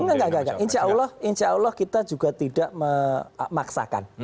enggak enggak insya allah kita juga tidak memaksakan